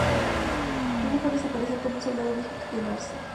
Es mejor desaparecer como un soldado viejo que quemarse.